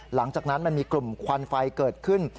หลังจากนั้นมันมีกลุ่มควันไฟเกิดขึ้น